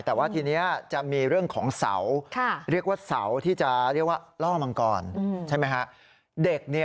แต่ว่าทีนี้จะมีเรื่องของเสาเรียกว่าเสาที่จะเรียกว่าล่อมังกรใช่ไหมฮะ